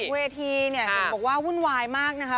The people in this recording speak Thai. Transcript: หลังเวทีเนี่ยบวกว่าหุ้นวายมากนะคะ